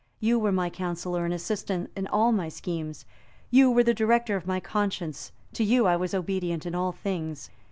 You were my counsellor and assistant in all my schemes: you were the director of my conscience: to you I was obedient in all things.